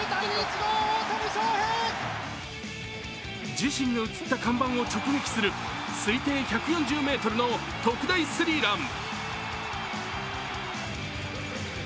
自身が映った看板を直撃する推定飛距離１４０ｍの特大スリーラン。